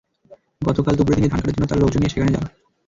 গতকাল দুপুরে তিনি ধান কাটার জন্য তাঁর লোকজন নিয়ে সেখানে যান।